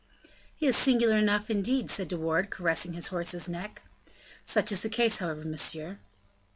"He is singular enough, indeed," said De Wardes, caressing his horse's neck. "Such is the case, however, monsieur."